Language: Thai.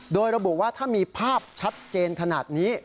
โดยระบุว่าถ้ามีภาพชัดเจนขนาดนี้